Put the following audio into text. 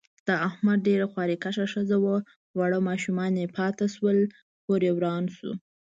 د احمد ډېره خواریکښه ښځه وه، واړه ماشومان یې پاتې شول. کوریې وران شو.